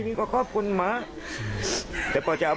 เดี๋ยวใจก็เหมือนเดิมแล้ว